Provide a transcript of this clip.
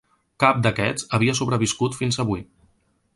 Cap d'aquests havia sobreviscut fins avui.